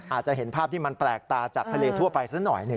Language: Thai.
อาจจะเห็นภาพที่มันแปลกตาจากทะเลทั่วไปสักหน่อยหนึ่ง